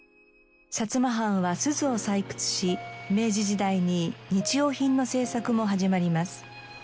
薩摩藩は錫を採掘し明治時代に日用品の製作も始まります。